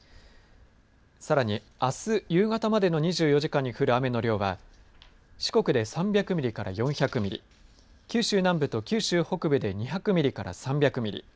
さらに、あす夕方までの２４時間に降る雨の量は四国で３００ミリから４００ミリ九州南部と九州北部で２００ミリから３００ミリ